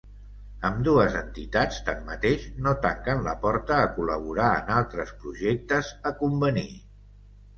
Ambdues entitats, tanmateix, no tanquen la porta a col·laborar en altres projectes a convenir.